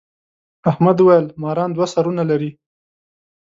احمد وويل: ماران دوه سرونه لري.